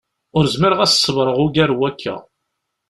Ur zmireɣ ad s-ṣebreɣ ugar n wakka.